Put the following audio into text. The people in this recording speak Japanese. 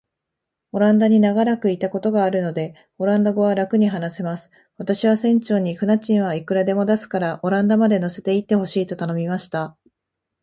オランダに長らくいたことがあるので、オランダ語はらくに話せます。私は船長に、船賃はいくらでも出すから、オランダまで乗せて行ってほしいと頼みました。